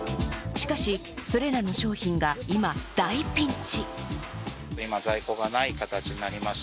しかしそれらの商品が今、大ピンチ。